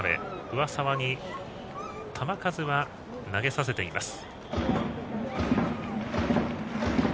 上沢に球数は投げさせています。